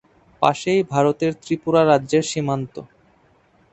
পাশেই ভারতের ত্রিপুরা রাজ্যের সীমান্ত।